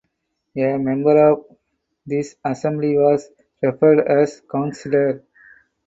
A member of this assembly was referred as "Councillor".